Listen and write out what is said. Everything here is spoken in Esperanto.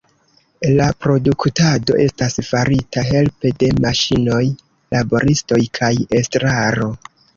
La produktado estas farita helpe de maŝinoj, laboristoj kaj estraro.